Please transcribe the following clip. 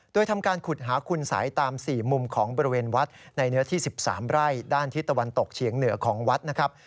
โดยทำการขุดหาคุณสัยตาม๔มุมของบริเวณวัดในเนื้อที่๑๓ไร่ด้านทิศตะวันตกเฉียงเหนือของวัดนะครับ